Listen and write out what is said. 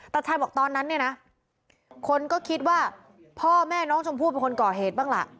ตาชัยบอกตอนนั้นเนี่ยนะคนก็คิดว่าพ่อแม่น้องชมพู่เป็นคนก่อเหตุบ้างล่ะ